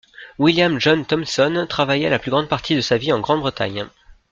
William John Thomson travailla la plus grande partie de sa vie en Grande-Bretagne.